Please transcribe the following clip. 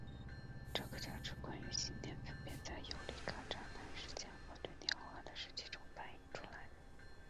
这个价值观与信念分别在尤里卡栅栏事件和绿林好汉的事迹中反映出来。